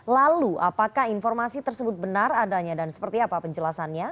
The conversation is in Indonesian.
lalu apakah informasi tersebut benar adanya dan seperti apa penjelasannya